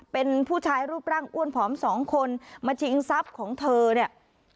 เป็นผู้ชายรูปร่างอ้วนผอมสองคนมาชิงทรัพย์ของเธอเนี่ย